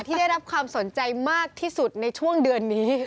ได้รับความสนใจมากที่สุดในช่วงเดือนนี้